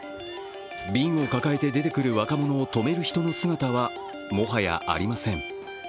瓶を抱えて出てくる若者を止める人の姿はもはやありません。